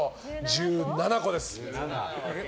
１７個です。